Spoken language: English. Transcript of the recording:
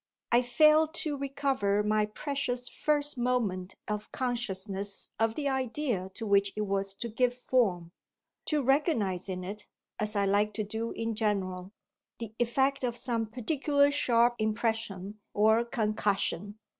I fail to recover my precious first moment of consciousness of the idea to which it was to give form; to recognise in it as I like to do in general the effect of some particular sharp impression or concussion.